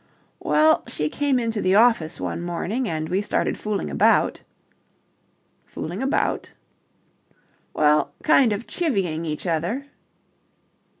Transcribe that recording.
"Well, she came into the office one morning, and we started fooling about..." "Fooling about?" "Well, kind of chivvying each other."